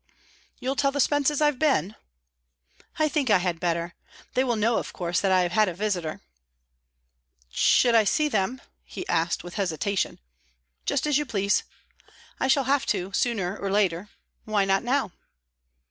"You'll tell the Spences I've been?" "I think I had better. They will know, of course, that I have had a visitor." "Should I see them?" he asked, with hesitation. "Just as you please." "I shall have to, sooner or later. Why not now?"